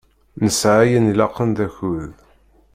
Nesεa ayen ilaqen d akud.